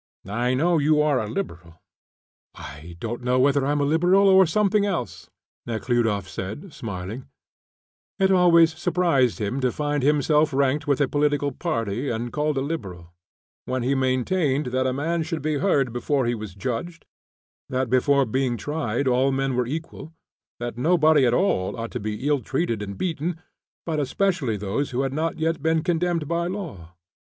"I know you are a Liberal." "I don't know whether I am a Liberal or something else," Nekhludoff said, smiling; it always surprised him to find himself ranked with a political party and called a Liberal, when he maintained that a man should be heard before he was judged, that before being tried all men were equal, that nobody at all ought to be ill treated and beaten, but especially those who had not yet been condemned by law.